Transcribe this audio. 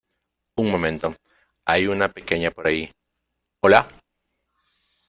Un momento, hay una pequeña por allí. ¡ hola!